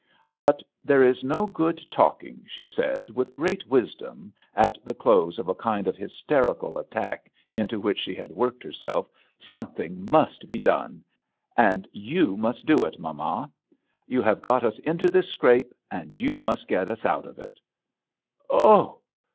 " But there is no good talk ing," she said, with great wisdom, at the close of a kind of hysteri cal attack into which slie had worked herself ; ''something must be done, and you musi do it, mamma. You have got us into this scrape, and you must get us out of it." " Oh